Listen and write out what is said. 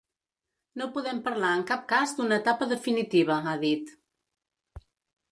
No podem parlar en cap cas d’una etapa definitiva, ha dit.